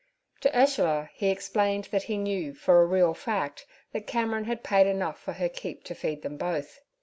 To Ursula he explained that he knew for a real fact that Cameron had paid enough for her keep to feed them both.